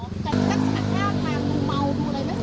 แต่แค่แค่แค่มามัวหรืออะไร